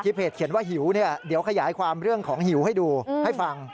เพจเขียนว่าหิวเนี่ยเดี๋ยวขยายความเรื่องของหิวให้ดูให้ฟัง